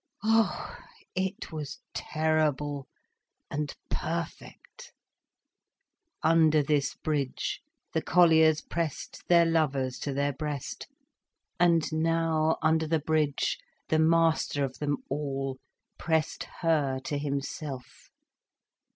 Ah, it was terrible, and perfect. Under this bridge, the colliers pressed their lovers to their breast. And now, under the bridge, the master of them all pressed her to himself!